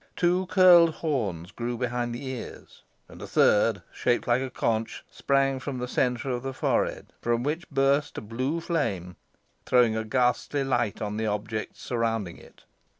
Two curled horns grew behind the ears, and a third, shaped like a conch, sprang from the centre of the forehead, from which burst a blue flame, throwing a ghastly light on the objects surrounding it.